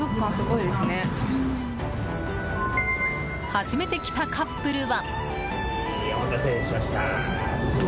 初めて来たカップルは。